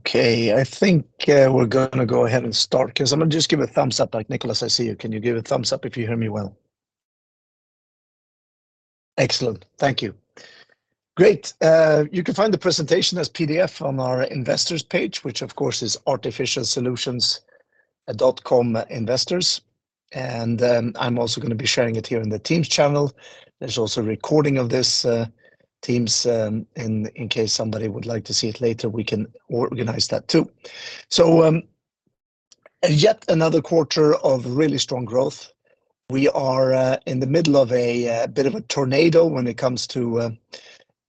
Okay, I think, we're gonna go ahead and start, 'cause I'm gonna just give a thumbs up. Like, Niklas, I see you. Can you give a thumbs up if you hear me well? Excellent. Thank you. Great, you can find the presentation as PDF on our investors page, which, of course, is artificialsolutions.com/investors. Then I'm also gonna be sharing it here in the Teams channel. There's also a recording of this Teams, in case somebody would like to see it later, we can organize that, too. Yet another quarter of really strong growth. We are in the middle of a bit of a tornado when it comes to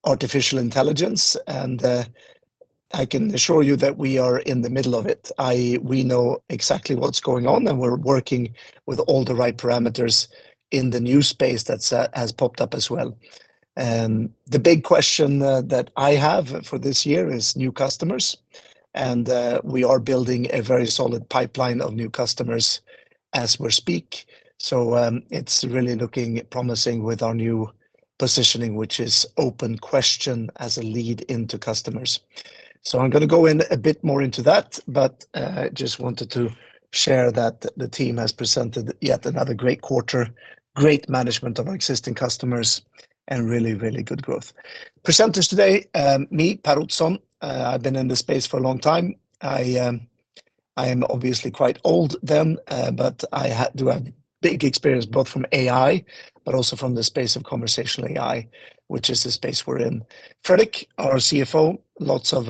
artificial intelligence, and I can assure you that we are in the middle of it, I, we know exactly what's going on, and we're working with all the right parameters in the new space that's has popped up as well. The big question that I have for this year is new customers, and we are building a very solid pipeline of new customers as we speak. It's really looking promising with our new positioning, which is OpenQuestion as a lead into customers. I'm gonna go in a bit more into that, but just wanted to share that the team has presented yet another great quarter, great management of our existing customers, and really, really good growth. Presenters today: me, Per Ottosson. I've been in this space for a long time. I am obviously quite old then, I had to have big experience, both from AI, but also from the space of conversational AI, which is the space we're in. Fredrik, our CFO, lots of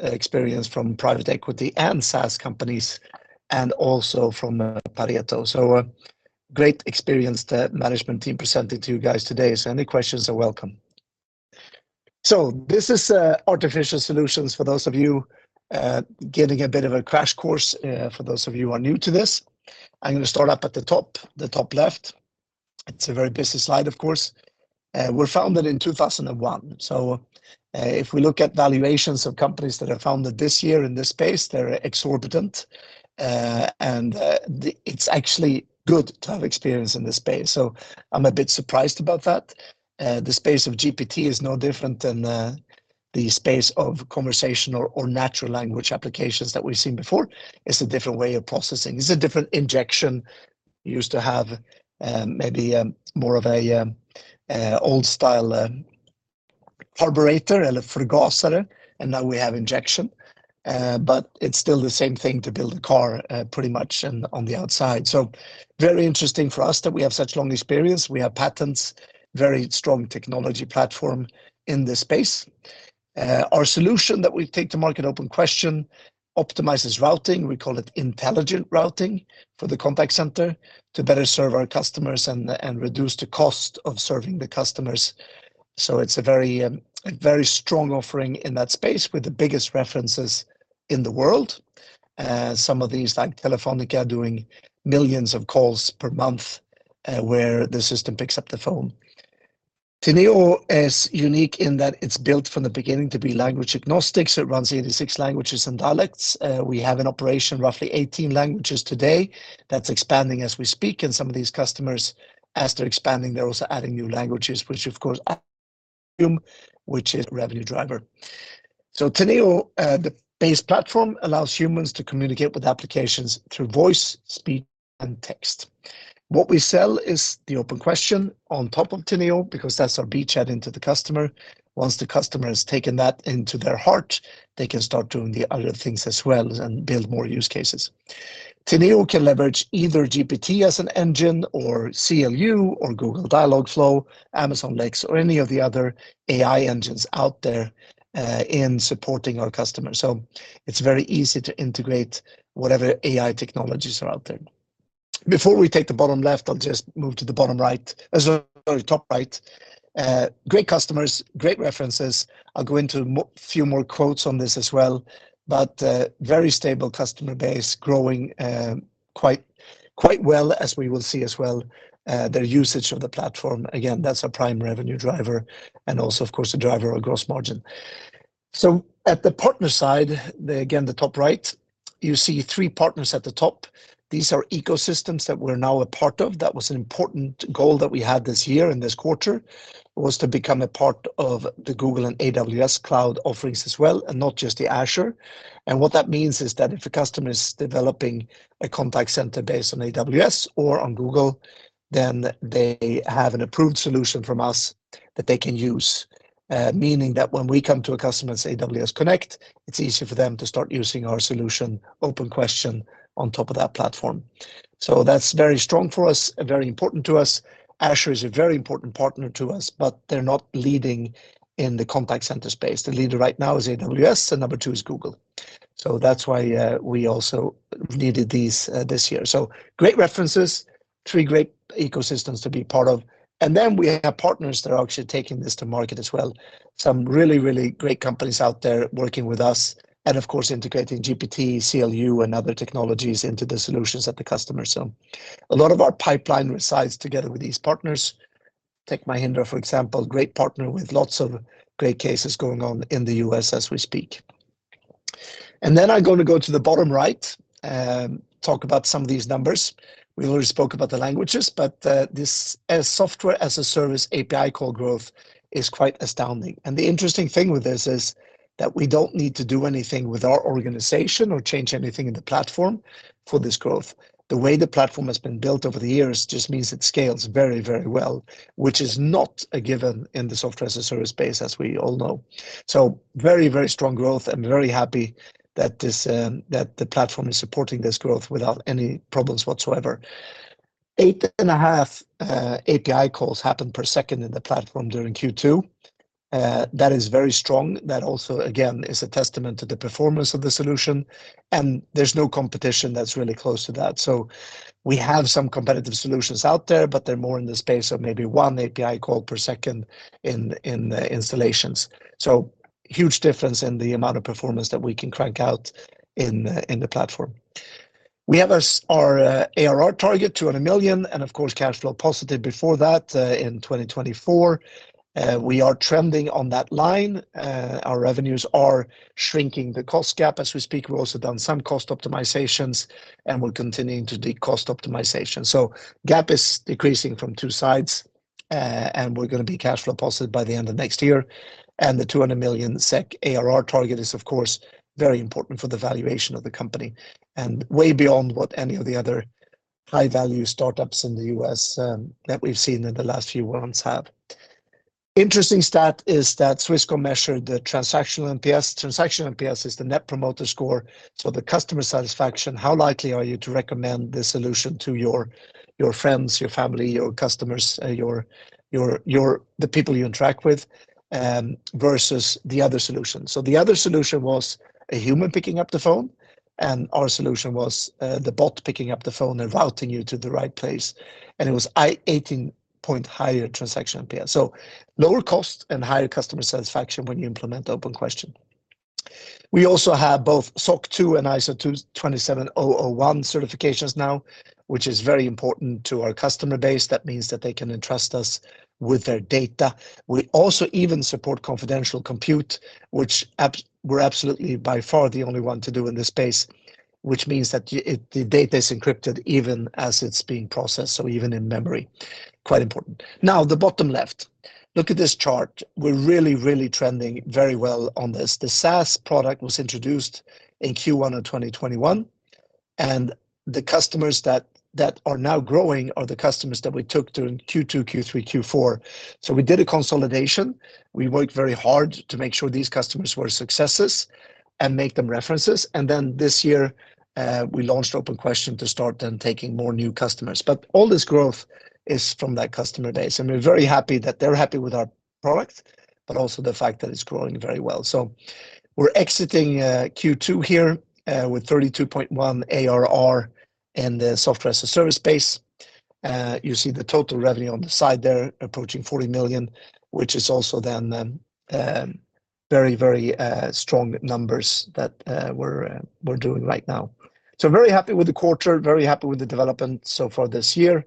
experience from private equity and SaaS companies, and also from Pareto. A great experienced management team presenting to you guys today. Any questions are welcome. This is Artificial Solutions for those of you getting a bit of a crash course for those of you who are new to this. I'm gonna start up at the top, the top left. It's a very busy slide, of course. We're founded in 2001, if we look at valuations of companies that are founded this year in this space, they're exorbitant. It's actually good to have experience in this space, so I'm a bit surprised about that. The space of GPT is no different than, the space of conversational or natural language applications that we've seen before. It's a different way of processing. It's a different injection. You used to have, maybe, more of a, old-style, carburetor, eller forgassere, and now we have injection, but it's still the same thing to build a car, pretty much on, on the outside. So very interesting for us that we have such long experience. We have patents, very strong technology platform in this space. Our solution that we take to market, OpenQuestion, optimizes routing. We call it intelligent routing for the contact center to better serve our customers and, and reduce the cost of serving the customers. It's a very, a very strong offering in that space with the biggest references in the world. Some of these, like Telefónica, doing millions of calls per month, where the system picks up the phone. Teneo is unique in that it's built from the beginning to be language-agnostic, so it runs 86 languages and dialects. We have in operation roughly 18 languages today. That's expanding as we speak, and some of these customers, as they're expanding, they're also adding new languages, which of course, which is a revenue driver. Teneo, the base platform, allows humans to communicate with applications through voice, speech, and text. What we sell is the OpenQuestion on top of Teneo, because that's our beachhead into the customer. Once the customer has taken that into their heart, they can start doing the other things as well and build more use cases. Teneo can leverage either GPT as an engine or CLU or Google Dialogflow, Amazon Lex, or any of the other AI engines out there in supporting our customers. It's very easy to integrate whatever AI technologies are out there. Before we take the bottom left, I'll just move to the bottom right, sorry, top right. Great customers, great references. I'll go into more, few more quotes on this as well, but, very stable customer base, growing quite, quite well, as we will see as well, their usage of the platform. Again, that's a prime revenue driver and also, of course, a driver of gross margin. At the partner side, again, the top right, you see three partners at the top. These are ecosystems that we're now a part of. That was an important goal that we had this year, in this quarter, was to become a part of the Google and AWS cloud offerings as well, and not just the Azure. What that means is that if a customer is developing a contact center based on AWS or on Google, then they have an approved solution from us that they can use, meaning that when we come to a customer's Amazon Connect, it's easier for them to start using our solution, OpenQuestion, on top of that platform. That's very strong for us and very important to us. Azure is a very important partner to us, but they're not leading in the contact center space. The leader right now is AWS, number two is Google, that's why we also needed these this year. Great references, three great ecosystems to be part of. Then we have partners that are actually taking this to market as well. Some really, really great companies out there working with us and, of course, integrating GPT, CLU, and other technologies into the solutions at the customer. A lot of our pipeline resides together with these partners. Tech Mahindra, for example, great partner with lots of great cases going on in the US as we speak. Then I'm going to go to the bottom right, and talk about some of these numbers. We already spoke about the languages, this as software as a service, API call growth is quite astounding. The interesting thing with this is that we don't need to do anything with our organization or change anything in the platform for this growth. The way the platform has been built over the years just means it scales very, very well, which is not a given in the Software as a Service space, as we all know. Very, very strong growth, and very happy that this that the platform is supporting this growth without any problems whatsoever. 8.5 API calls happen per second in the platform during Q2. That is very strong. That also, again, is a testament to the performance of the solution, and there's no competition that's really close to that. We have some competitive solutions out there, but they're more in the space of maybe 1 API call per second in, in installations. Huge difference in the amount of performance that we can crank out in the platform. We have our ARR target, 200 million, and of course, cash flow positive before that in 2024. We are trending on that line. Our revenues are shrinking the cost gap as we speak. We've also done some cost optimizations, and we're continuing to do cost optimization. Gap is decreasing from two sides, and we're gonna be cash flow positive by the end of next year. The 200 million SEK ARR target is, of course, very important for the valuation of the company, and way beyond what any of the other high-value startups in the US that we've seen in the last few months have. Interesting stat is that Swisscom measured the transactional NPS. Transactional NPS is the net promoter score, the customer satisfaction, how likely are you to recommend this solution to your friends, your family, your customers, the people you interact with, versus the other solution? The other solution was a human picking up the phone, and our solution was the bot picking up the phone and routing you to the right place, and it was 18 point higher transaction NPS. Lower cost and higher customer satisfaction when you implement OpenQuestion. We also have both SOC 2 and ISO 27001 certifications now, which is very important to our customer base. That means that they can entrust us with their data. We also even support confidential compute, which we're absolutely by far the only one to do in this space, which means that it, the data is encrypted even as it's being processed, so even in memory, quite important. Now, the bottom left, look at this chart. We're really, really trending very well on this. The SaaS product was introduced in Q1 of 2021, and the customers that are now growing are the customers that we took to in Q2, Q3, Q4. We did a consolidation. We worked very hard to make sure these customers were successes and make them references, and then this year, we launched OpenQuestion to start then taking more new customers. All this growth is from that customer base, and we're very happy that they're happy with our product, but also the fact that it's growing very well. We're exiting Q2 here with 32.1 ARR in the software-as-a-service space. You see the total revenue on the side there, approaching 40 million, which is also then very, very strong numbers that we're doing right now. Very happy with the quarter, very happy with the development so far this year.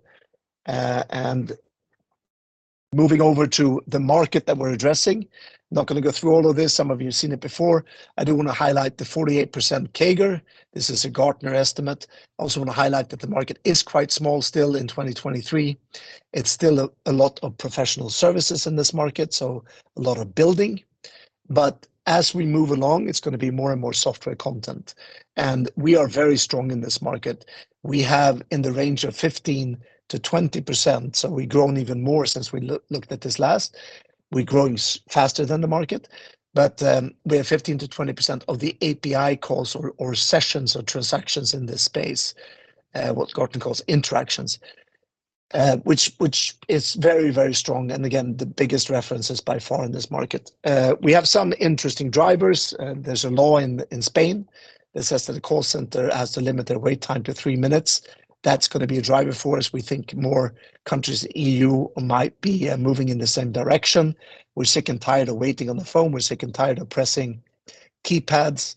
Moving over to the market that we're addressing, not gonna go through all of this. Some of you have seen it before. I do wanna highlight the 48% CAGR. This is a Gartner estimate. I also wanna highlight that the market is quite small still in 2023. It's still a lot of professional services in this market, so a lot of building. As we move along, it's gonna be more and more software content, and we are very strong in this market. We have in the range of 15%-20%. We've grown even more since we looked at this last. We're growing faster than the market. We are 15%-20% of the API calls or sessions or transactions in this space, what Gartner calls interactions, which is very, very strong, and again, the biggest references by far in this market. We have some interesting drivers. There's a law in Spain that says that a call center has to limit their wait time to three minutes. That's gonna be a driver for us. We think more countries in EU might be moving in the same direction. We're sick and tired of waiting on the phone. We're sick and tired of pressing keypads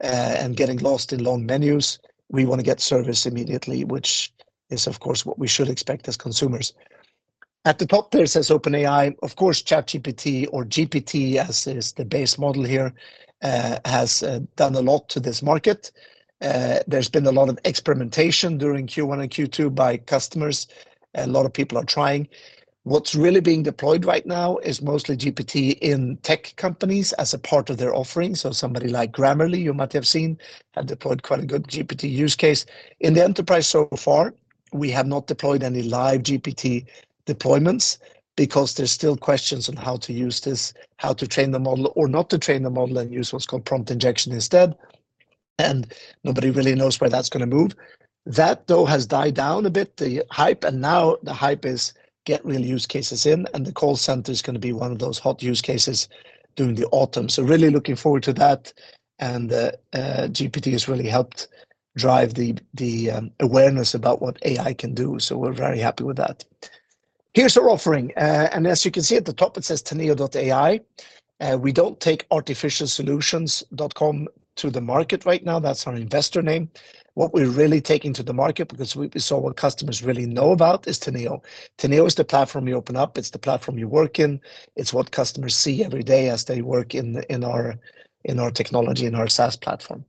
and getting lost in long menus. We wanna get service immediately, which is, of course, what we should expect as consumers. At the top there, it says, OpenAI. Of course, ChatGPT or GPT, as is the base model here, has done a lot to this market. There's been a lot of experimentation during Q1 and Q2 by customers, a lot of people are trying. What's really being deployed right now is mostly GPT in tech companies as a part of their offering. Somebody like Grammarly, you might have seen, have deployed quite a good GPT use case. In the enterprise so far, we have not deployed any live GPT deployments because there's still questions on how to use this, how to train the model or not to train the model, and use what's called prompt injection instead, and nobody really knows where that's gonna move. That, though, has died down a bit, the hype, and now the hype is get real use cases in, and the call center is gonna be one of those hot use cases during the autumn. Really looking forward to that, and GPT has really helped drive the awareness about what AI can do, so we're very happy with that. Here's our offering, and as you can see at the top, it says Teneo.ai. We don't take artificialsolutions.com to the market right now. That's our investor name. What we're really taking to the market, because we saw what customers really know about, is Teneo. Teneo is the platform you open up. It's the platform you work in. It's what customers see every day as they work in, in our, in our technology, in our SaaS platform.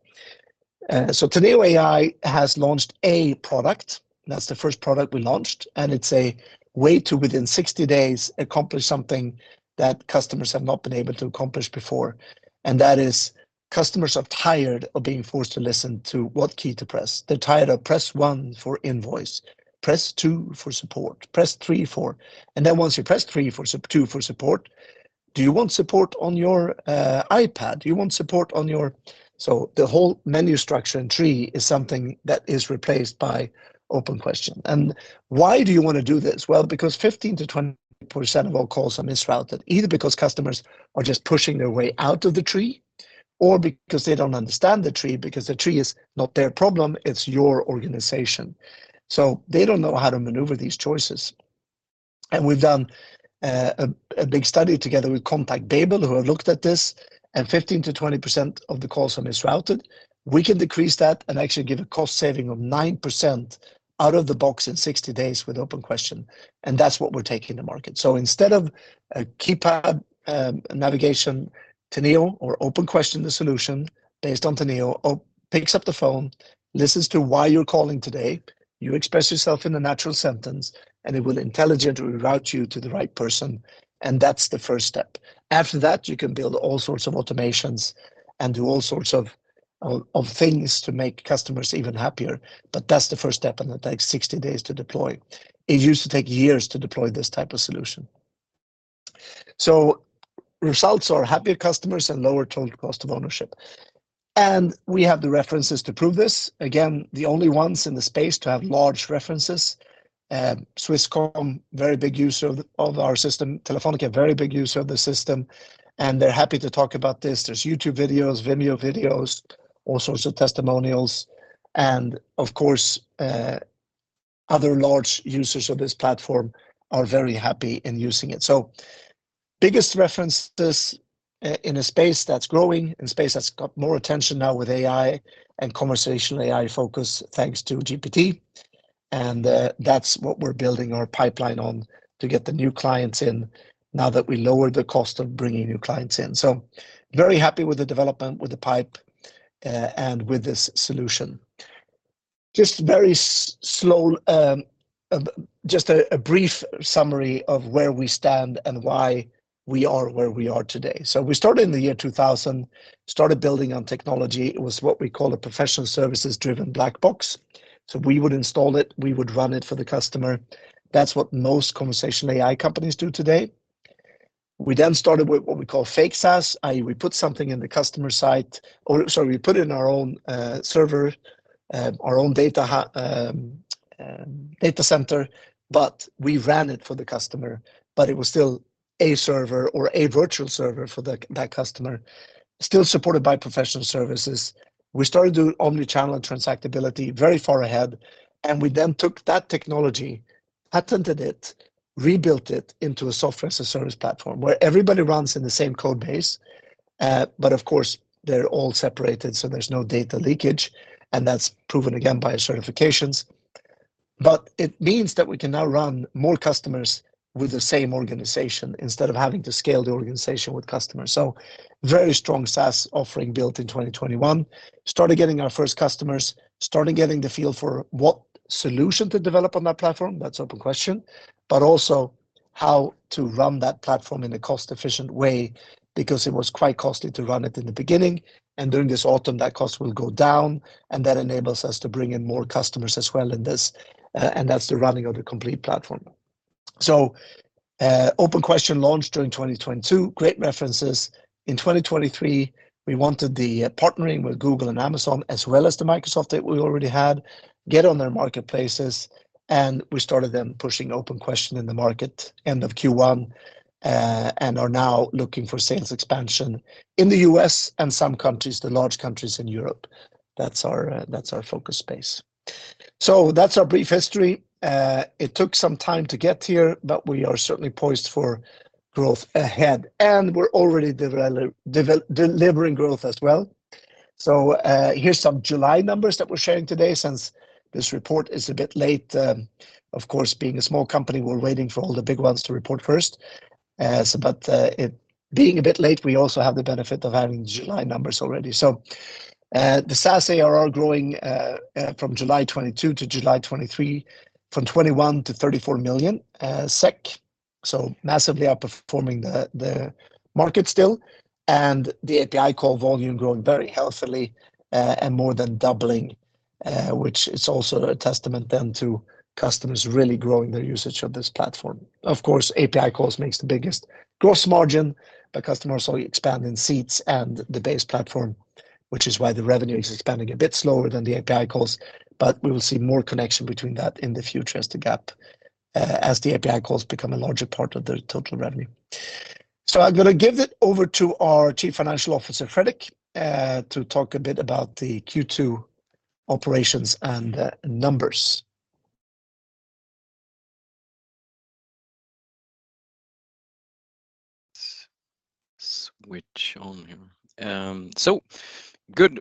Teneo.ai has launched a product. That's the first product we launched, and it's a way to, within 60 days, accomplish something that customers have not been able to accomplish before. That is, customers are tired of being forced to listen to what key to press. They're tired of, "Press 1 for invoice, press 2 for support, press 3 for..." Once you press 3 for 2 for support, "Do you want support on your iPad? Do you want support on your..." The whole menu structure and tree is something that is replaced by OpenQuestion. Why do you want to do this? Well, because 15%-20% of all calls are misrouted, either because customers are just pushing their way out of the tree or because they don't understand the tree, because the tree is not their problem, it's your organization. They don't know how to maneuver these choices. We've done a big study together with ContactBabel, who have looked at this, and 15%-20% of the calls are misrouted. We can decrease that and actually give a cost saving of 9% out of the box in 60 days with OpenQuestion, and that's what we're taking to market. Instead of a keypad, navigation, Teneo or OpenQuestion, the solution based on Teneo, picks up the phone, listens to why you're calling today, you express yourself in a natural sentence, and it will intelligently route you to the right person, and that's the first step. After that, you can build all sorts of automations and do all sorts of things to make customers even happier, but that's the first step, and it takes 60 days to deploy. It used to take years to deploy this type of solution. Results are happier customers and lower total cost of ownership. We have the references to prove this. Again, the only ones in the space to have large references. Swisscom, very big user of our system. Telefónica, a very big user of the system, and they're happy to talk about this. There's YouTube videos, Vimeo videos, all sorts of testimonials, and of course, other large users of this platform are very happy in using it. Biggest reference, this, in a space that's growing, in a space that's got more attention now with AI and conversational AI focus, thanks to GPT, and that's what we're building our pipeline on to get the new clients in now that we lowered the cost of bringing new clients in. Very happy with the development, with the pipe, and with this solution. Just very slow, just a brief summary of where we stand and why we are where we are today. We started in the year 2000, started building on technology. It was what we call a professional services-driven black box. We would install it, we would run it for the customer. That's what most conversational AI companies do today. We then started with what we call fake SaaS, i.e., we put something in the customer site. Sorry, we put it in our own server, our own data center, but we ran it for the customer, but it was still a server or a virtual server for that customer, still supported by professional services. We started doing omnichannel and transactability very far ahead. We then took that technology, patented it, rebuilt it into a software as a service platform, where everybody runs in the same code base. Of course, they're all separated, so there's no data leakage, and that's proven again by certifications. It means that we can now run more customers with the same organization, instead of having to scale the organization with customers. Very strong SaaS offering built in 2021. Started getting our first customers, started getting the feel for what solution to develop on that platform. That's OpenQuestion. Also how to run that platform in a cost-efficient way, because it was quite costly to run it in the beginning, and during this autumn, that cost will go down, and that enables us to bring in more customers as well in this, and that's the running of the complete platform. OpenQuestion launched during 2022. Great references. In 2023, we wanted the partnering with Google and Amazon, as well as the Microsoft that we already had, get on their marketplaces, and we started then pushing OpenQuestion in the market, end of Q1, and are now looking for sales expansion in the US and some countries, the large countries in Europe. That's our, that's our focus space. That's our brief history. It took some time to get here, but we are certainly poised for growth ahead, and we're already delivering growth as well. Here's some July numbers that we're sharing today, since this report is a bit late. Of course, being a small company, we're waiting for all the big ones to report first. It being a bit late, we also have the benefit of having the July numbers already. The SaaS ARR growing from July 2022 to July 2023, from SEK 21 million-SEK 34 million, so massively outperforming the market still, and the API call volume growing very healthily, and more than doubling, which is also a testament then to customers really growing their usage of this platform. Of course, API calls makes the biggest gross margin, but customers are expanding seats and the base platform, which is why the revenue is expanding a bit slower than the API calls, but we will see more connection between that in the future as the gap, as the API calls become a larger part of the total revenue. I'm gonna give it over to our Chief Financial Officer, Fredrik, to talk a bit about the Q2 operations and numbers. Switch on here. Good.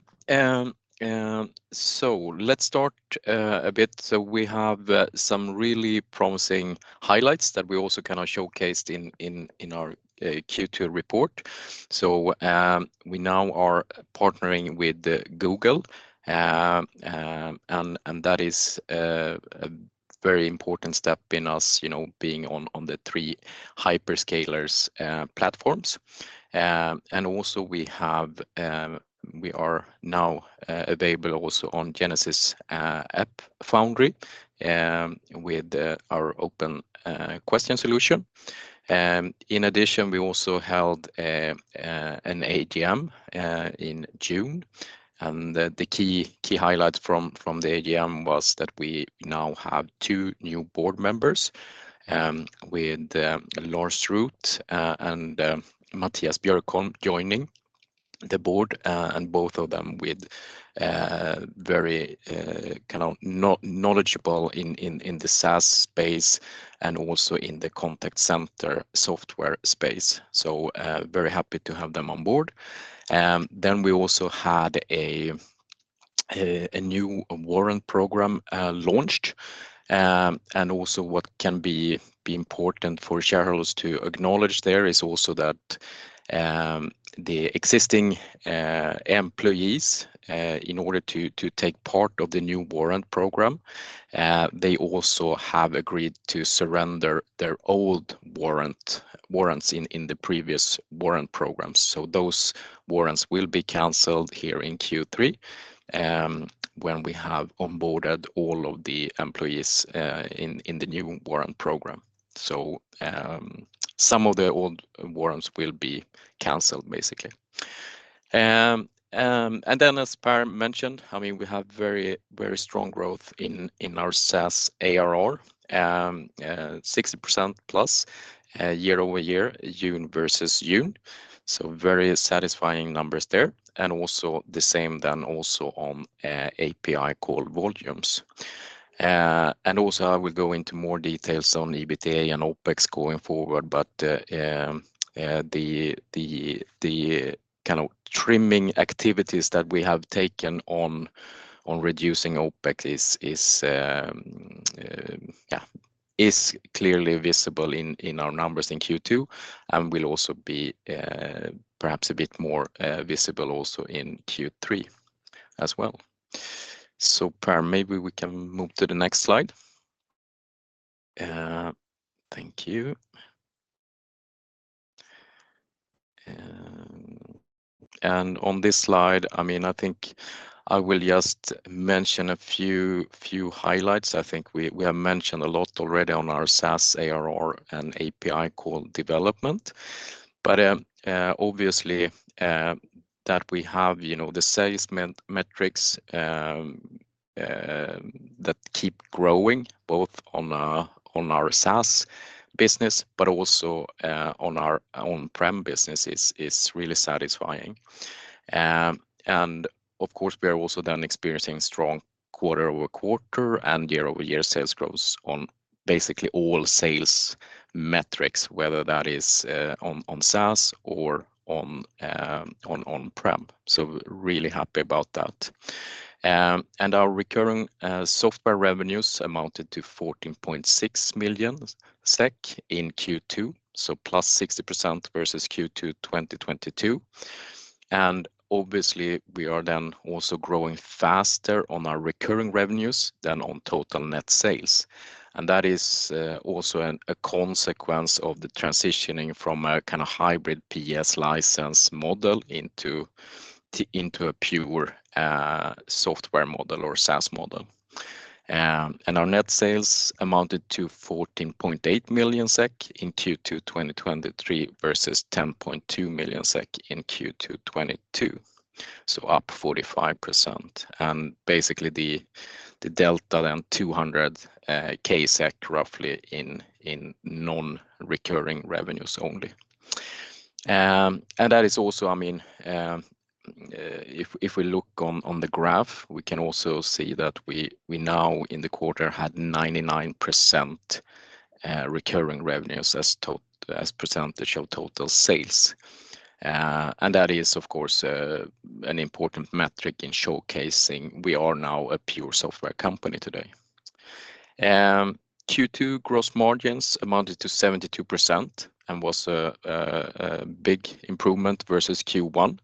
Let's start a bit. We have some really promising highlights that we also kind of showcased in, in, in our Q2 report. We now are partnering with the Google, and that is a very important step in us, you know, being on the three hyperscalers platforms. Also we have, we are now available also on Genesys, Genesys AppFoundry, with our OpenQuestion solution. In addition, we also held an AGM in June, and the key highlights from the AGM was that we now have 2 new board members with Lars Rinnan and Mathias Björkman joining the board, and both of them with a very knowledgeable in the SaaS space and also in the contact center software space. Very happy to have them on board. We also had a new warrant program launched. Also what can be important for shareholders to acknowledge there is also that the existing employees in order to take part of the new warrant program, they also have agreed to surrender their old warrants in the previous warrant program. Those warrants will be canceled here in Q3, when we have onboarded all of the employees in the new warrant program. Some of the old warrants will be canceled, basically. Then, as Per mentioned, I mean, we have very, very strong growth in our SaaS ARR, 60% plus year-over-year, June versus June. Very satisfying numbers there, and also the same then also on API call volumes. I will go into more details on EBITDA and OpEx going forward, but the kind of trimming activities that we have taken on reducing OpEx is, yeah, is clearly visible in our numbers in Q2 and will also be perhaps a bit more visible also in Q3 as well. Per, maybe we can move to the next slide. Thank you. On this slide, I mean, I think I will just mention a few, few highlights. I think we, we have mentioned a lot already on our SaaS ARR and API call development. Obviously, that we have, you know, the sales metrics that keep growing, both on our SaaS business, but also on our on-prem business is really satisfying. Of course, we are also then experiencing strong quarter-over-quarter and year-over-year sales growth on basically all sales metrics, whether that is on SaaS or on on-prem. Really happy about that. Our recurring software revenues amounted to 14.6 million SEK in Q2, plus 60% versus Q2 2022. Obviously, we are then also growing faster on our recurring revenues than on total net sales. That is also a consequence of the transitioning from a kind of hybrid PS license model into a pure software model or SaaS model. Our net sales amounted to 14.8 million SEK in Q2 2023, versus 10.2 million SEK in Q2 2022, so up 45%. Basically, the delta then 200K, roughly in non-recurring revenues only. That is also, I mean, if we look on the graph, we can also see that we now in the quarter had 99% recurring revenues as percentage of total sales. That is, of course, an important metric in showcasing we are now a pure software company today. Q2 gross margins amounted to 72% and was a big improvement versus Q1,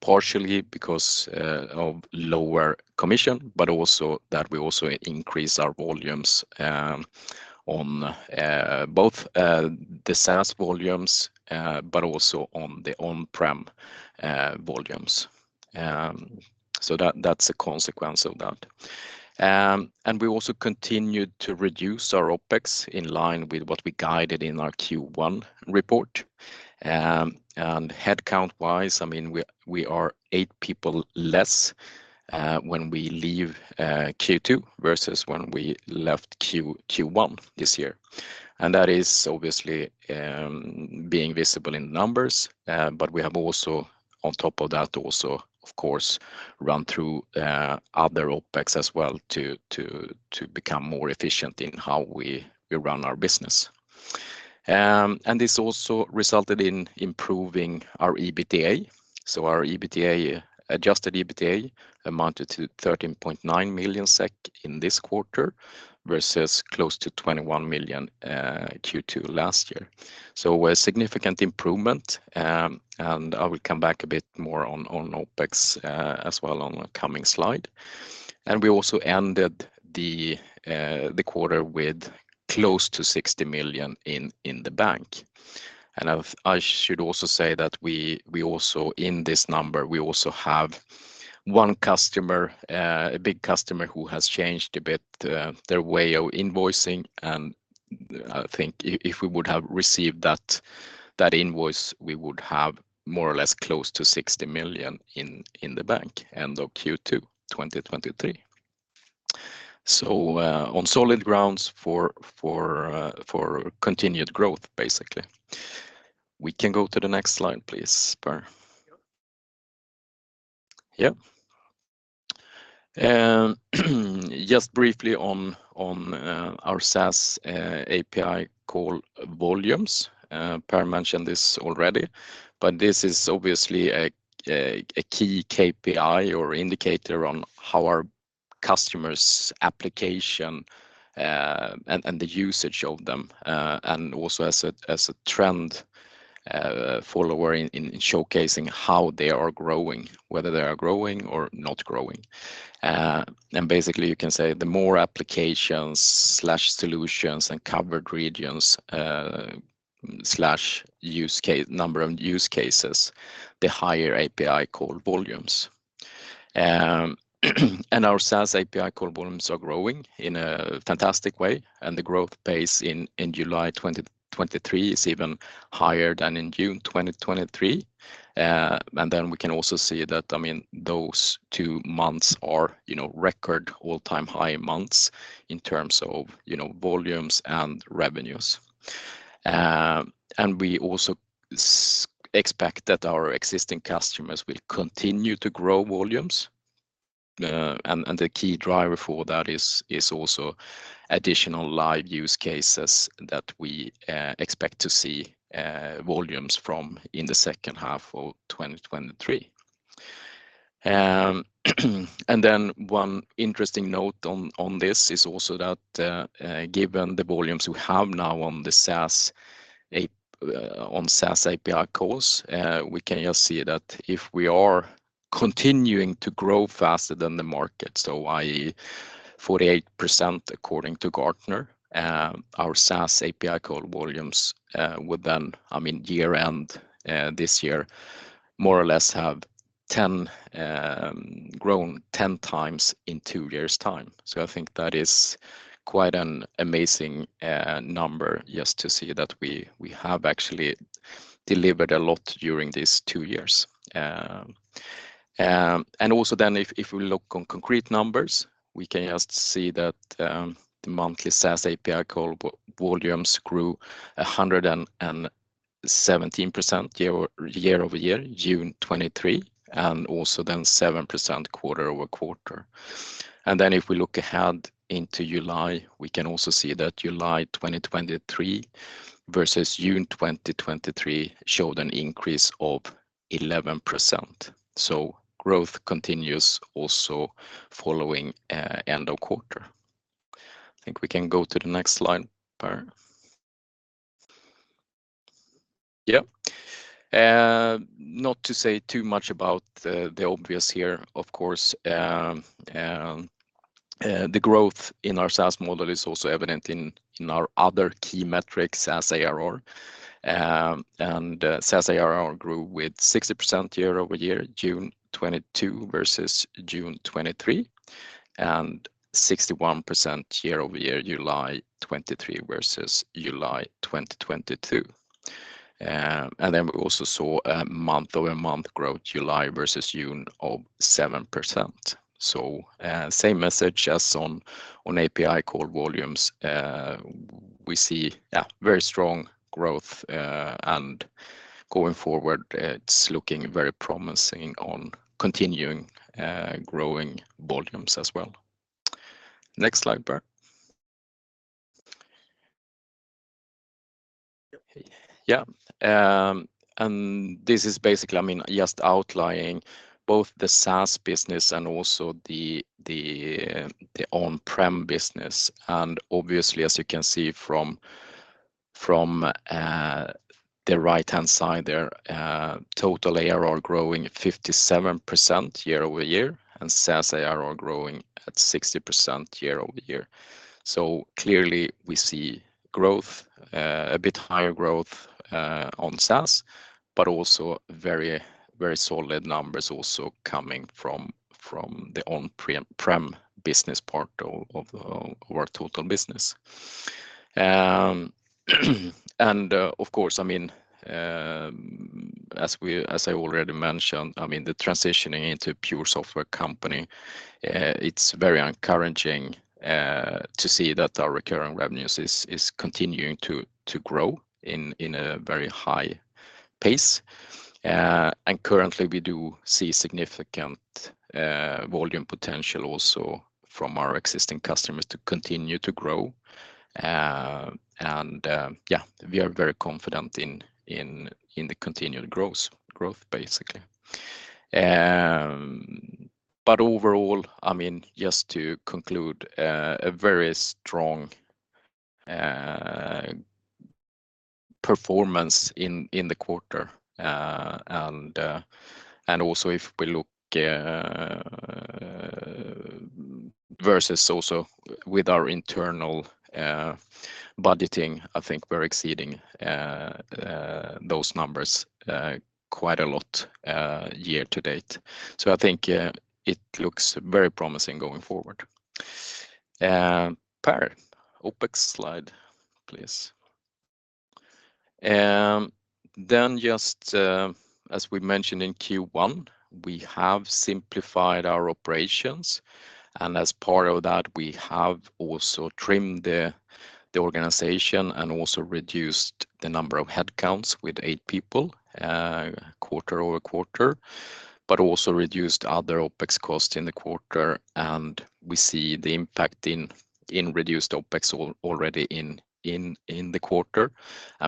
partially because of lower commission, but also that we also increased our volumes on both the SaaS volumes, but also on the on-prem volumes. That's a consequence of that. We also continued to reduce our OpEx in line with what we guided in our Q1 report. Headcount-wise, I mean, we are, we are 8 people less when we leave Q2 versus when we left Q1 this year. That is obviously being visible in numbers, but we have also on top of that also, of course, run through other OpEx as well to become more efficient in how we run our business. This also resulted in improving our EBITDA. Our EBITDA, adjusted EBITDA amounted to 13.9 million SEK in this quarter, versus close to 21 million Q2 last year. A significant improvement, and I will come back a bit more on OpEx as well on a coming slide. We also ended the quarter with close to 60 million in the bank. I should also say that in this number, we have one customer, a big customer who has changed a bit their way of invoicing. I think if we would have received that, that invoice, we would have more or less close to $60 million in, in the bank, end of Q2 2023. On solid grounds for, for continued growth, basically. We can go to the next slide, please, Per. Yep. Just briefly on, on our SaaS API call volumes. Per mentioned this already, but this is obviously a, a, a key KPI or indicator on how our customers' application, and, and the usage of them, and also as a, as a trend follower in, in showcasing how they are growing, whether they are growing or not growing. And basically, you can say the more applications/solutions and covered regions, /use case, number of use cases, the higher API call volumes. Our SaaS API call volumes are growing in a fantastic way, and the growth pace in, in July 2023 is even higher than in June 2023. We can also see that, I mean, those two months are, you know, record all-time high months in terms of, you know, volumes and revenues. We also expect that our existing customers will continue to grow volumes. The key driver for that is, is also additional live use cases that we expect to see volumes from in the second half of 2023. And then one interesting note on, on this is also that, given the volumes we have now on the SaaS API, on SaaS API calls, we can just see that if we are continuing to grow faster than the market, so i.e., 48%, according to Gartner, our SaaS API call volumes would then, I mean, year-end, this year, more or less have 10, grown 10 times in 2 years' time. I think that is quite an amazing number just to see that we, we have actually delivered a lot during these 2 years. If we look on concrete numbers, we can just see that the monthly SaaS API call volumes grew 117% year-over-year, June 2023, and also then 7% quarter-over-quarter. If we look ahead into July, we can also see that July 2023 versus June 2023 showed an increase of 11%. Growth continues also following end of quarter. I think we can go to the next slide, Per. Yep. Not to say too much about the obvious here, of course, the growth in our SaaS model is also evident in our other key metrics, SaaS ARR. SaaS ARR grew with 60% year-over-year, June 2022 versus June 2023, and 61% year-over-year, July 2023 versus July 2022. Then we also saw a month-over-month growth, July versus June, of 7%. Same message as on, on API call volumes. We see, yeah, very strong growth, and going forward, it's looking very promising on continuing, growing volumes as well. Next slide, Per. Yep. Yeah. This is basically, I mean, just outlying both the SaaS business and also the, the, the on-prem business. Obviously, as you can see from, from, the right-hand side there, total ARR growing 57% year-over-year, and SaaS ARR growing at 60% year-over-year. Clearly, we see growth, a bit higher growth, on SaaS, but also very, very solid numbers also coming from, from the on-prem business part of, of the, our total business. Of course, I mean, as I already mentioned, I mean, the transitioning into a pure software company, it's very encouraging, to see that our recurring revenues is, is continuing to, to grow in, in a very high pace. Currently, we do see significant, volume potential also from our existing customers to continue to grow. Yeah, we are very confident in, in, in the continued growth, growth, basically. Overall, I mean, just to conclude, a very strong performance in, in the quarter. Also if we look versus also with our internal budgeting, I think we're exceeding those numbers quite a lot year to date. I think it looks very promising going forward. Per, OpEx slide, please. Just as we mentioned in Q1, we have simplified our operations, and as part of that, we have also trimmed the organization and also reduced the number of headcounts with 8 people quarter-over-quarter, but also reduced other OpEx costs in the quarter, and we see the impact in reduced OpEx already in the quarter.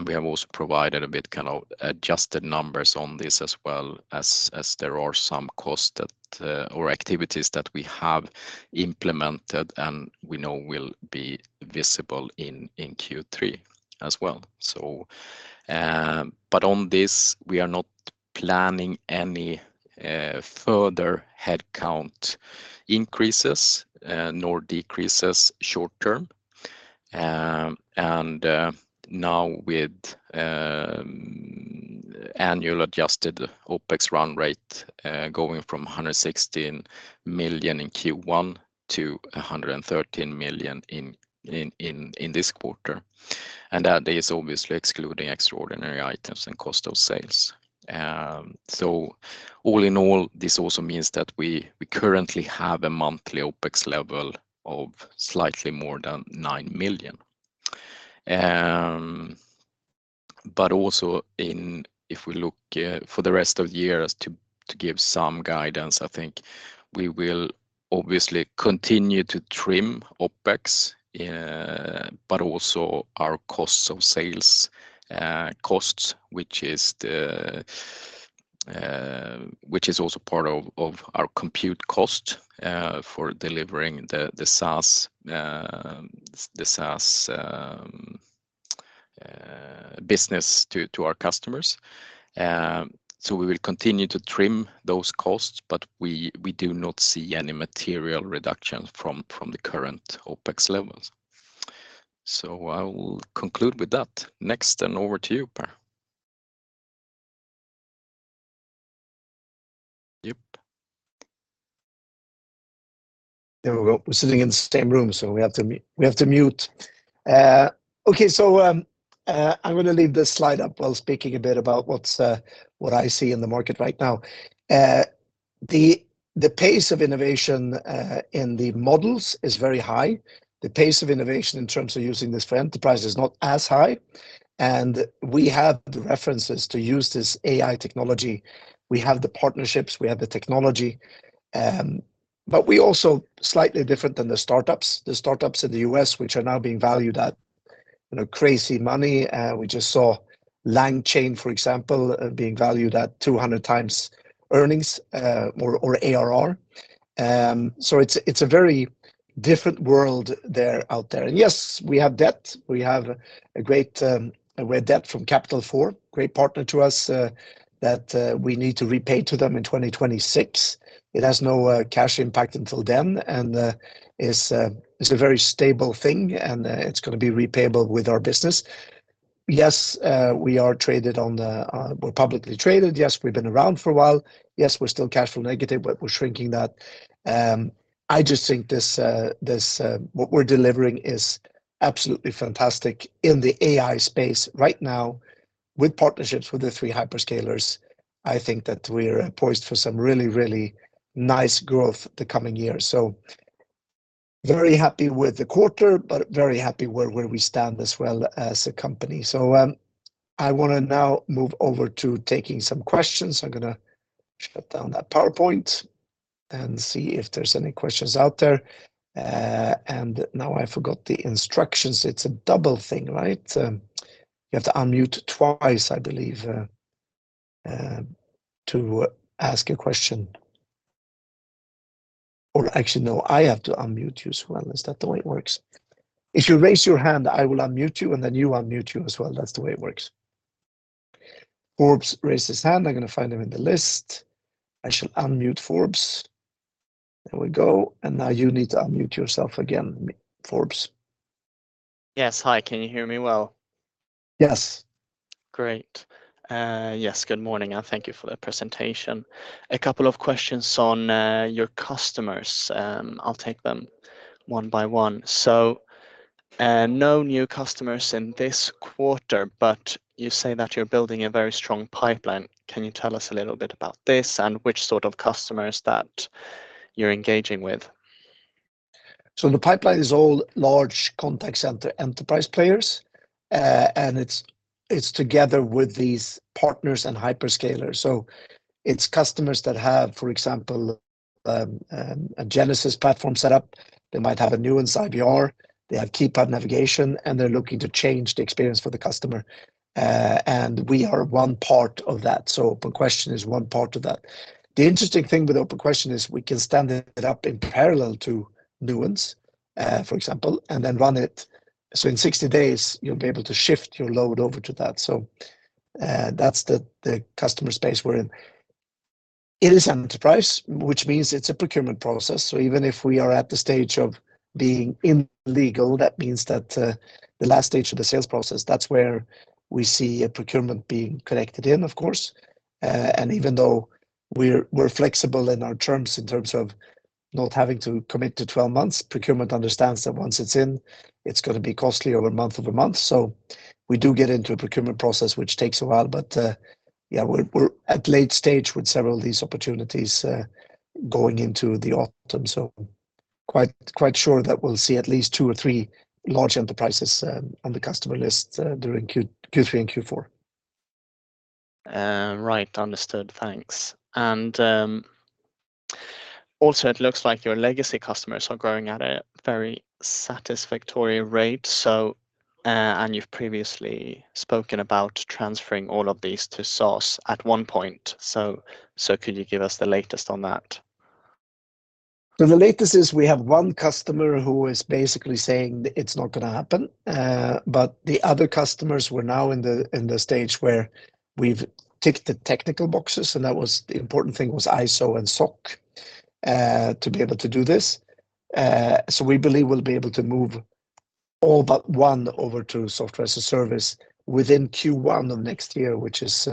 We have also provided a bit, kind of, adjusted numbers on this as well as, as there are some costs that, or activities that we have implemented and we know will be visible in Q3 as well. On this, we are not planning any further headcount increases nor decreases short term. Now with annual adjusted OpEx run rate going from $116 million in Q1 to $113 million in this quarter, and that is obviously excluding extraordinary items and cost of sales. All in all, this also means that we currently have a monthly OpEx level of slightly more than $9 million. Also if we look for the rest of the year as to, to give some guidance, I think we will obviously continue to trim OpEx, but also our costs of sales, costs, which is the, which is also part of, of our compute cost, for delivering the, the SaaS, the SaaS, business to, to our customers. We will continue to trim those costs, but we, we do not see any material reduction from, from the current OpEx levels. I will conclude with that. Next, over to you, Per. Yep. There we go. We're sitting in the same room, so we have to mute. Okay, so, I'm gonna leave this slide up while speaking a bit about what's what I see in the market right now. The, the pace of innovation in the models is very high. The pace of innovation in terms of using this for enterprise is not as high. We have the references to use this AI technology. We have the partnerships, we have the technology, but we also slightly different than the startups. The startups in the U.S., which are now being valued at, you know, crazy money. We just saw LangChain, for example, being valued at 200x earnings or 200x ARR. It's a, it's a very different world out there. Yes, we have debt. We have a great, a weird debt from Capital Four, great partner to us, that we need to repay to them in 2026. It has no cash impact until then, and is a very stable thing, and it's gonna be repayable with our business. Yes, we are traded on the... We're publicly traded. Yes, we've been around for a while. Yes, we're still cash flow negative, but we're shrinking that. I just think this, this, what we're delivering is absolutely fantastic in the AI space right now. With partnerships with the three hyperscalers, I think that we're poised for some really, really nice growth the coming years. Very happy with the quarter, but very happy where, where we stand as well as a company. I wanna now move over to taking some questions. I'm gonna shut down that PowerPoint and see if there's any questions out there. Now I forgot the instructions. It's a double thing, right? You have to unmute twice, I believe, to ask a question. Actually, no, I have to unmute you as well. Is that the way it works? If you raise your hand, I will unmute you, and then you unmute you as well. That's the way it works. Forbes raised his hand. I'm gonna find him in the list. I shall unmute Forbes. There we go. Now you need to unmute yourself again, Forbes. Yes. Hi, can you hear me well? Yes. Great. Yes, good morning, and thank you for the presentation. A couple of questions on your customers, I'll take them one by one. No new customers in this quarter, but you say that you're building a very strong pipeline. Can you tell us a little bit about this and which sort of customers that you're engaging with? The pipeline is all large contact center enterprise players, and it's, it's together with these partners and hyperscalers. It's customers that have, for example, a Genesys platform set up. They might have a Nuance IVR, they have keypad navigation, and they're looking to change the experience for the customer. We are one part of that, so OpenQuestion is one part of that. The interesting thing with OpenQuestion is we can stand it up in parallel to Nuance, for example, and then run it. In 60 days, you'll be able to shift your load over to that. That's the, the customer space we're in. It is an enterprise, which means it's a procurement process. Even if we are at the stage of being in legal, that means that the last stage of the sales process, that's where we see a procurement being connected in, of course. Even though we're flexible in our terms, in terms of not having to commit to 12 months, procurement understands that once it's in, it's gonna be costly over month, over month. We do get into a procurement process, which takes a while, but, yeah, we're at late stage with several of these opportunities going into the autumn. Quite, quite sure that we'll see at least 2 or 3 large enterprises on the customer list during Q- Q3 and Q4. Right. Understood. Thanks. Also, it looks like your legacy customers are growing at a very satisfactory rate. You've previously spoken about transferring all of these to SaaS at one point. Could you give us the latest on that? The latest is we have 1 customer who is basically saying that it's not gonna happen. But the other customers, we're now in the, in the stage where we've ticked the technical boxes, and that was the important thing, was ISO and SOC, to be able to do this. We believe we'll be able to move all but 1 over to software as a service within Q1 of next year, which is,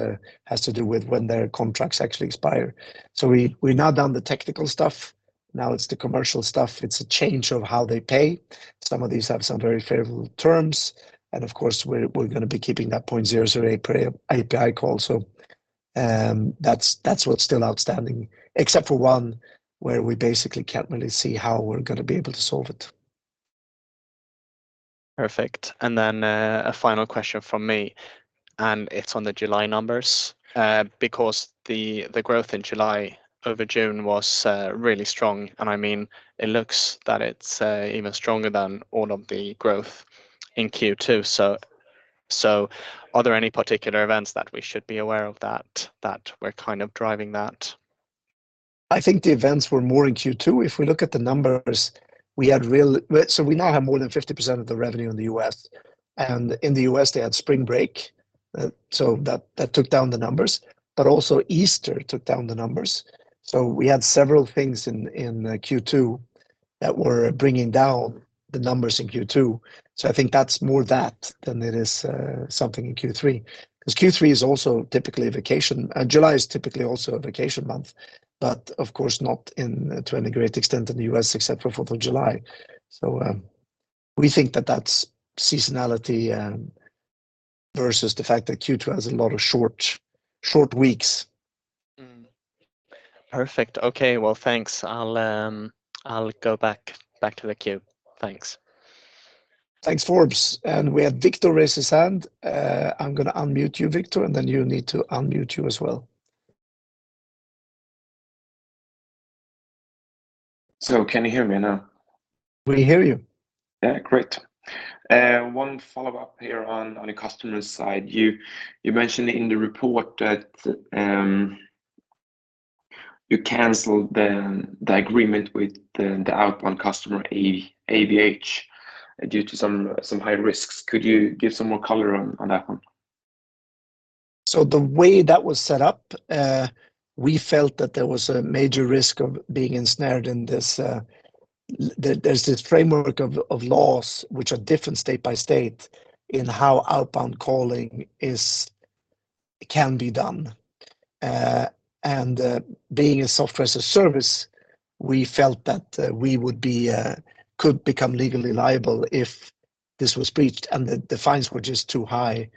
has to do with when their contracts actually expire. We, we're now done the technical stuff, now it's the commercial stuff. It's a change of how they pay. Some of these have some very favorable terms, and of course, we're, we're gonna be keeping that $0.008 per API call. That's, that's what's still outstanding, except for one, where we basically can't really see how we're gonna be able to solve it. Perfect. A final question from me, and it's on the July numbers. The, the growth in July over June was, really strong, and I mean, it looks that it's, even stronger than all of the growth in Q2. Are there any particular events that we should be aware of that, that were kind of driving that? I think the events were more in Q2. If we look at the numbers, we had so we now have more than 50% of the revenue in the US. In the US, they had spring break, so that, that took down the numbers, but also Easter took down the numbers. We had several things in, in Q2 that were bringing down the numbers in Q2. I think that's more that than it is something in Q3. 'Cause Q3 is also typically a vacation, and July is typically also a vacation month, but of course not in to any great extent in the US, except for Fourth of July. We think that that's seasonality versus the fact that Q2 has a lot of short, short weeks. Mm. Perfect. Okay, well, thanks. I'll, I'll go back, back to the queue. Thanks. Thanks, Forbes. We have Viktor raise his hand. I'm gonna unmute you, Viktor, and then you need to unmute you as well. Can you hear me now? We hear you. Yeah, great. One follow-up here on the customer side. You, you mentioned in the report that you canceled the agreement with the outbound customer, SelectQuote, due to some, some high risks. Could you give some more color on, on that one? The way that was set up, we felt that there was a major risk of being ensnared in this. There's this framework of laws which are different state by state, in how outbound calling is, can be done. Being a software as a service, we felt that we would be, could become legally liable if this was breached. The fines were just too high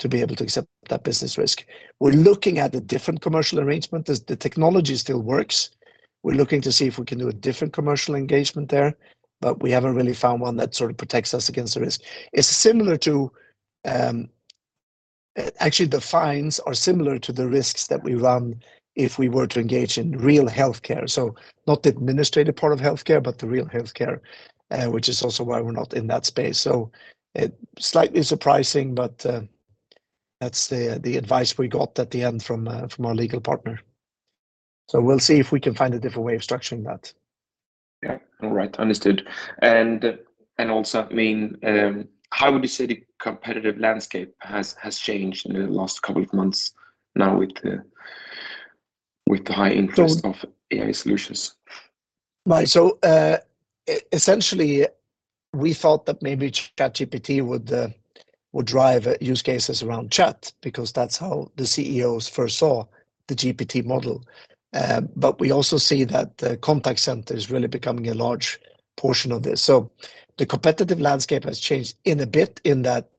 to be able to accept that business risk. We're looking at a different commercial arrangement. The technology still works. We're looking to see if we can do a different commercial engagement there, but we haven't really found one that sort of protects us against the risk. It's similar to. Actually, the fines are similar to the risks that we run if we were to engage in real healthcare. Not the administrative part of healthcare, but the real healthcare, which is also why we're not in that space. It's slightly surprising, but that's the, the advice we got at the end from, from our legal partner. We'll see if we can find a different way of structuring that. Yeah. All right, understood. Also, I mean, how would you say the competitive landscape has, has changed in the last couple of months now with the, with the high interest- So- -of AI solutions? Right. Essentially, we thought that maybe ChatGPT would drive use cases around chat, because that's how the CEOs first saw the GPT model. We also see that the contact center is really becoming a large portion of this. The competitive landscape has changed in a bit in that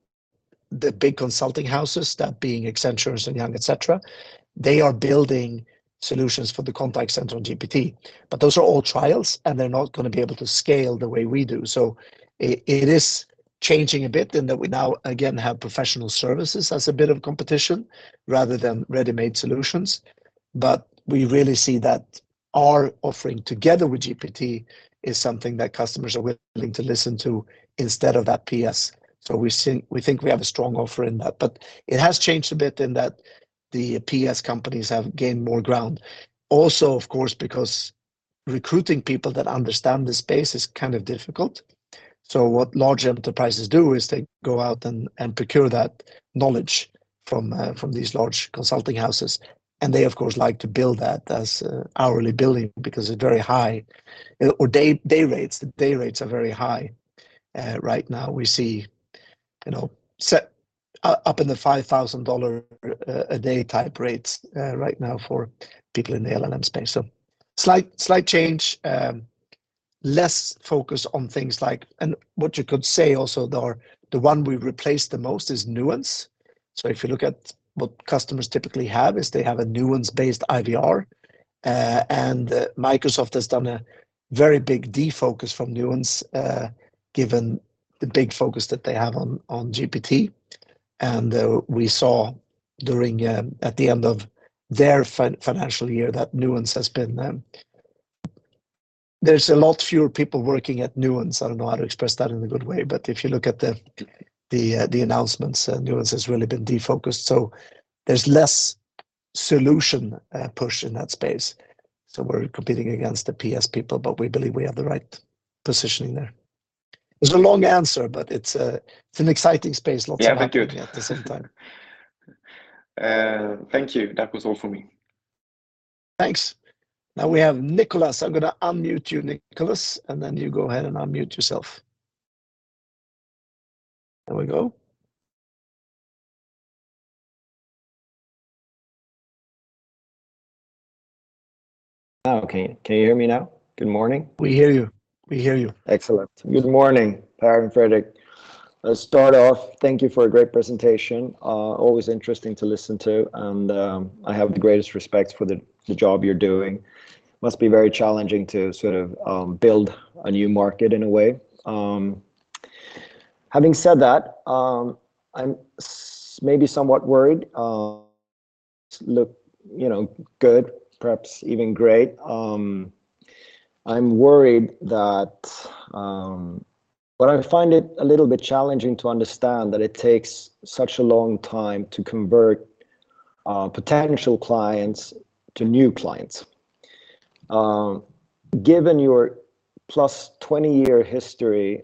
the big consulting houses, that being Accenture and Ernst & Young, et cetera, they are building solutions for the contact center on GPT, but those are all trials, and they're not gonna be able to scale the way we do. It is changing a bit in that we now again have professional services as a bit of competition rather than ready-made solutions. We really see that our offering together with GPT is something that customers are willing to listen to instead of that PS... We think, we think we have a strong offer in that. It has changed a bit in that the PS companies have gained more ground. Also, of course, because recruiting people that understand the space is kind of difficult. What large enterprises do is they go out and, and procure that knowledge from, from these large consulting houses, and they, of course, like to bill that as hourly billing because it's very high or day, day rates. The day rates are very high. Right now we see, you know, in the $5,000 a day type rates right now for people in the LLM space. Slight, slight change, less focus on things like... What you could say also, though, the one we've replaced the most is Nuance. If you look at what customers typically have, is they have a Nuance-based IVR. Microsoft has done a very big defocus from Nuance, given the big focus that they have on, on GPT. We saw during, at the end of their financial year, that Nuance has been. There's a lot fewer people working at Nuance. I don't know how to express that in a good way, but if you look at the, the, the announcements, Nuance has really been defocused. There's less solution, push in that space. We're competing against the PS people, but we believe we have the right positioning there. It's a long answer, but it's, it's an exciting space. Yeah, thank you. happening at the same time. Thank you. That was all for me. Thanks. Now, we have Niklas. I'm gonna unmute you, Niklas, and then you go ahead and unmute yourself. There we go. Okay. Can you hear me now? Good morning. We hear you. We hear you. Excellent. Good morning, Per and Fredrik. Let's start off, thank you for a great presentation. always interesting to listen to, and, I have the greatest respect for the, the job you're doing. Must be very challenging to sort of, build a new market in a way. having said that, I'm maybe somewhat worried. look, you know, good, perhaps even great. I'm worried that... I find it a little bit challenging to understand that it takes such a long time to convert, potential clients to new clients. given your plus 20-year history,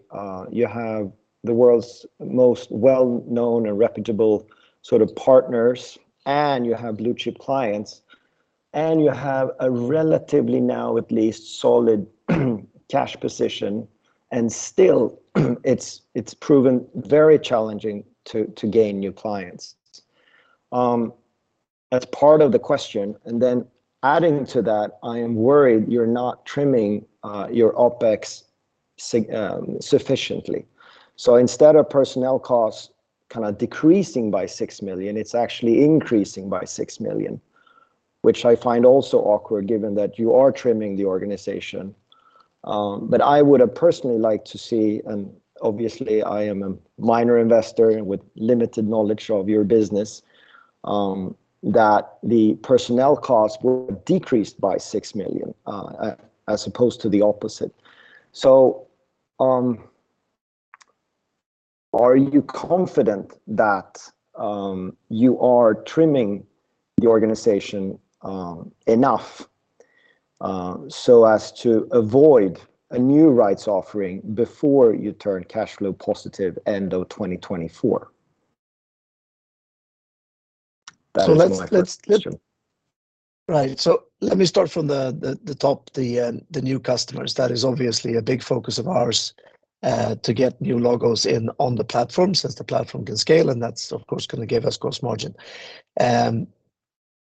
you have the world's most well-known and reputable sort of partners, and you have blue-chip clients, and you have a relatively, now at least, solid cash position, and still, it's, it's proven very challenging to, to gain new clients. that's part of the question. Then adding to that, I am worried you're not trimming your OpEx sufficiently. Instead of personnel costs kind of decreasing by 6 million, it's actually increasing by 6 million, which I find also awkward, given that you are trimming the organization. I would have personally liked to see, and obviously I am a minor investor with limited knowledge of your business, that the personnel costs were decreased by 6 million as opposed to the opposite. Are you confident that you are trimming the organization enough so as to avoid a new rights offering before you turn cash flow positive end of 2024? That is my first question. Right. Let me start from the, the, the top, the new customers. That is obviously a big focus of ours, to get new logos in on the platform, since the platform can scale, and that's, of course, gonna give us gross margin.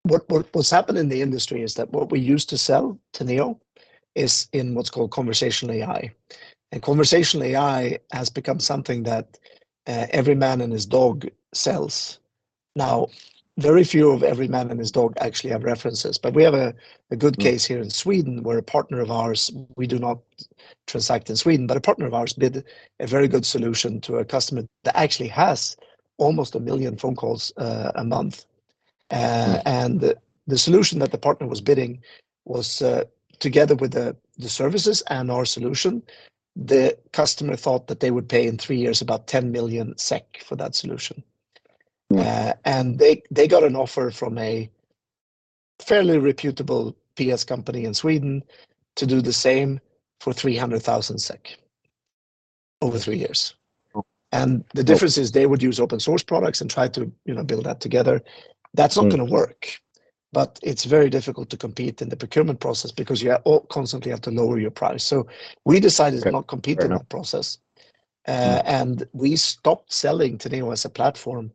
What, what, what's happened in the industry is that what we used to sell Teneo is in what's called conversational AI. Conversational AI has become something that every man and his dog sells. Now, very few of every man and his dog actually have references, but we have a, a good case here in Sweden, where a partner of ours, we do not transact in Sweden, but a partner of ours bid a very good solution to a customer that actually has almost 1 million phone calls, a month. Mm. The, the solution that the partner was bidding was, together with the, the services and our solution, the customer thought that they would pay in three years about 10 million SEK for that solution. Mm. They, they got an offer from a fairly reputable PS company in Sweden to do the same for 300 thousand SEK over three years. Mm. The difference is, they would use open-source products and try to, you know, build that together. Mm. That's not gonna work, it's very difficult to compete in the procurement process because you are constantly have to lower your price. We decided- Okay. Fair enough. to not compete in that process. Mm. We stopper Teneo as a platform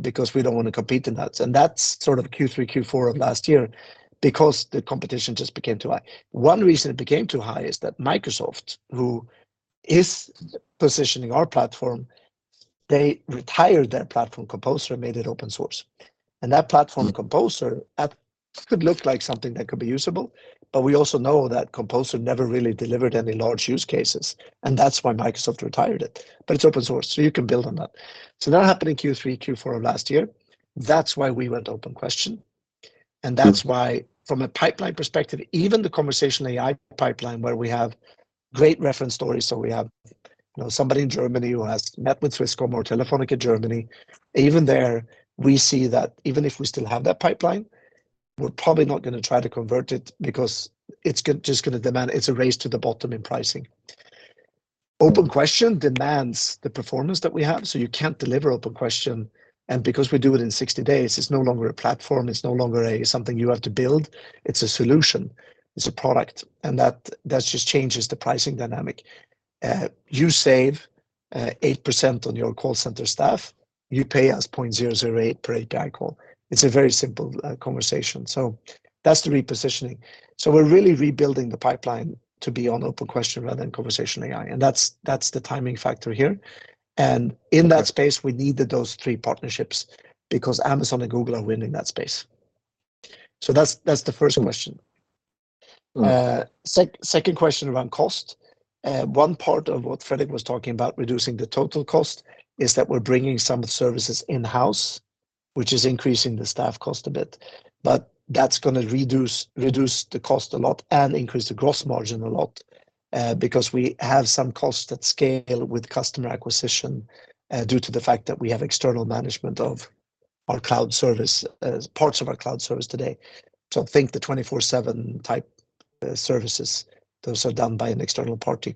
because we don't wanna compete in that. That's sort of Q3, Q4 of last year, because the competition just became too high. One reason it became too high is that Microsoft, who is positioning our platform, they retired their platform Composer and made it open source. That platform Composer could look like something that could be usable, but we also know that Composer never really delivered any large use cases, and that's why Microsoft retired it. It's open source, so you can build on that. That happened in Q3, Q4 of last year. That's why we went OpenQuestion. That's why from a pipeline perspective, even the conversational AI pipeline, where we have great reference stories, so we have, you know, somebody in Germany who has met with Swisscom or Telefónica Germany, even there, we see that even if we still have that pipeline, we're probably not gonna try to convert it because it's just gonna demand- it's a race to the bottom in pricing. OpenQuestion demands the performance that we have, so you can't deliver OpenQuestion, and because we do it in 60 days, it's no longer a platform, it's no longer a something you have to build, it's a solution, it's a product, and that, that just changes the pricing dynamic. You save 8% on your call center staff, you pay us 0.008 per outgoing call. It's a very simple conversation. That's the repositioning. We're really rebuilding the pipeline to be on OpenQuestion rather than conversational AI, and that's, that's the timing factor here. In that space, we needed those three partnerships because Amazon and Google are winning that space. That's, that's the first question. Mm. Second question around cost. One part of what Fredrik was talking about, reducing the total cost, is that we're bringing some services in-house, which is increasing the staff cost a bit, but that's gonna reduce, reduce the cost a lot and increase the gross margin a lot, because we have some cost that scale with customer acquisition, due to the fact that we have external management of our cloud service, parts of our cloud service today. So think the 24/7 type services, those are done by an external party.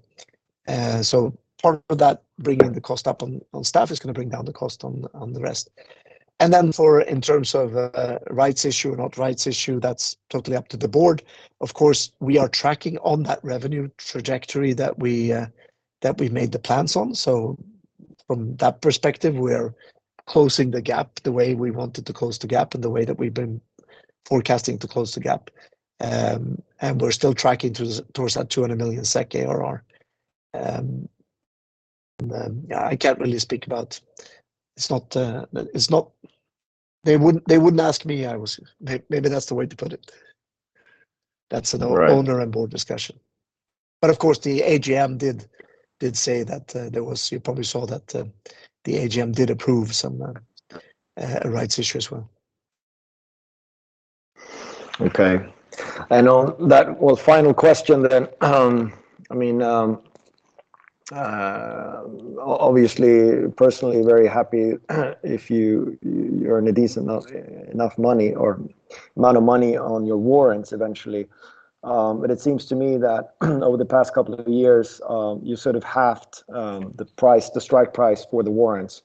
So part of that, bringing the cost up on, on staff is gonna bring down the cost on, on the rest. Then for in terms of rights issue or not rights issue, that's totally up to the board. Of course, we are tracking on that revenue trajectory that we, that we've made the plans on. From that perspective, we're closing the gap the way we wanted to close the gap and the way that we've been forecasting to close the gap. We're still tracking towards that 200 million SEK ARR. Yeah, I can't really speak about... It's not, they wouldn't, they wouldn't ask me. I was, maybe that's the way to put it. Right owner and board discussion. Of course, the AGM did say that, you probably saw that, the AGM did approve some rights issue as well. Okay, that, well, final question then. I mean, obviously, personally very happy if you, you earn a decent enough, enough money or amount of money on your warrants eventually. It seems to me that over the past couple of years, you sort of halved the price, the strike price for the warrants.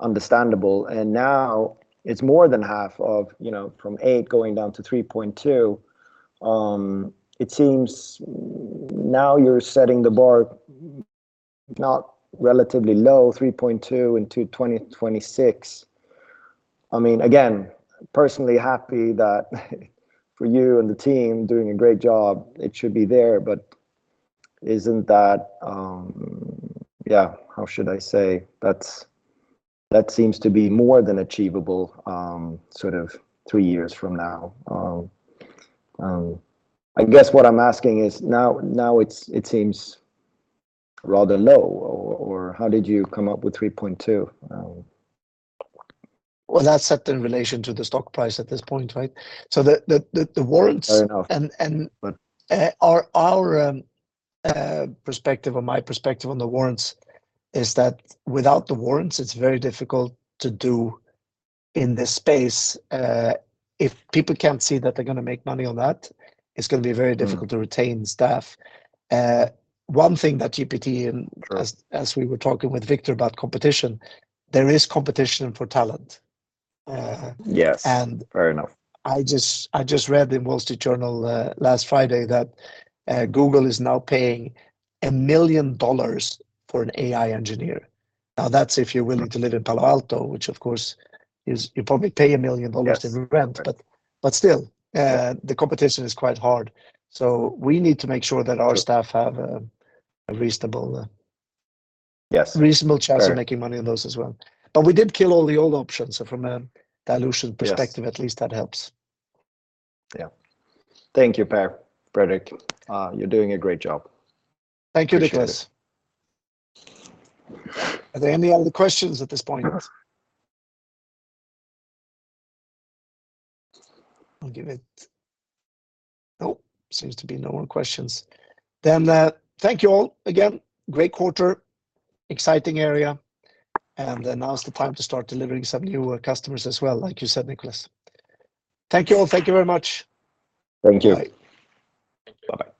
Understandable, and now it's more than half of, you know, from 8 going down to 3.2. It seems now you're setting the bar not relatively low, 3.2 into 2026. I mean, again, personally happy that for you and the team doing a great job, it should be there, but isn't that? Yeah, how should I say? That's that seems to be more than achievable, sort of 3 years from now. I guess what I'm asking is now, now it's, it seems rather low, or, or how did you come up with 3.2? Well, that's set in relation to the stock price at this point, right? The, the, the, the warrants. Fair enough.... and, and, our, our, perspective or my perspective on the warrants is that without the warrants, it's very difficult to do in this space. If people can't see that they're gonna make money on that, it's gonna be very difficult. Mm... to retain staff. One thing that GPT. Right as, as we were talking with Viktor about competition, there is competition for talent. Yes. And- Fair enough.... I just, I just read in The Wall Street Journal last Friday that Google is now paying $1 million for an AI engineer. Now, that's if you're willing to live in Palo Alto, which of course is, you probably pay $1 million- Yes... in rent. Right. still- Yeah... the competition is quite hard, so we need to make sure that our staff- Sure... have a, a reasonable Yes reasonable chance- Fair... of making money on those as well. We did kill all the old options, so from a dilution perspective... Yes at least that helps. Yeah. Thank you, Per, Fredrik. You're doing a great job. Thank you, Niklas. Appreciate it. Are there any other questions at this point? I'll give it. Nope, seems to be no more questions. Thank you all again. Great quarter, exciting area, and then now is the time to start delivering some new customers as well, like you said, Niklas. Thank you all. Thank you very much. Thank you. Bye. Bye.